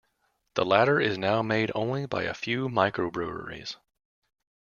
The latter is now made only by a few microbreweries.